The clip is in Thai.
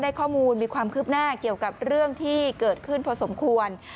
ข้อมูลมีความคืบหน้าเกี่ยวกับเรื่องที่เกิดขึ้นพอสมควร